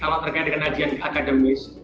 kalau terkait dengan kajian akademis